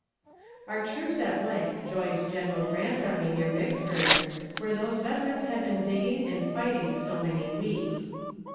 Our troops at length joined General Grant's army near Vicksburg, where those veterans had been digging and fighting so many weeks.